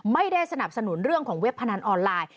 ไม่ได้สนับสนุนเรื่องของเว็บพนันออนไลน์